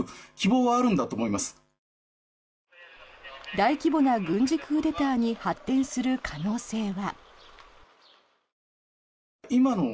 大規模な軍事クーデターに発展する可能性は。